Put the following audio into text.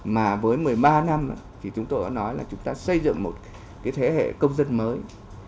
mà với một mươi ba năm thì chúng tôi đã nói là chúng ta xây dựng một cái thế hệ công dân mới